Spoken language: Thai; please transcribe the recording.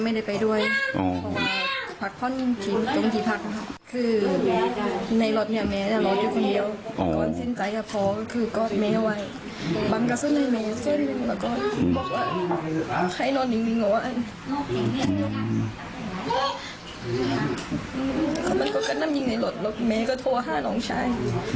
มันก็ก็นั่มยิงในรถแล้วแม่ก็โทรห้าน้องชาย